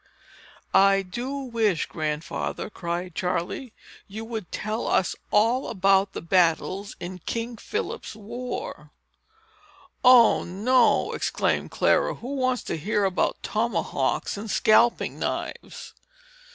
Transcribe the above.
"I do wish Grandfather," cried Charley, "you would tell us all about the battles in King Philip's war." "O, no!" exclaimed Clara. "Who wants to hear about tomahawks and scalping knives!"